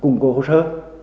củng cố hỗ trợ